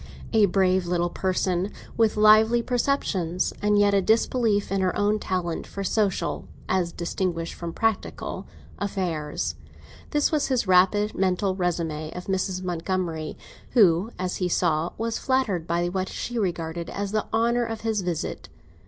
A brave little person, with lively perceptions, and yet a disbelief in her own talent for social, as distinguished from practical, affairs—this was his rapid mental résumé of Mrs. Montgomery, who, as he saw, was flattered by what she regarded as the honour of his visit.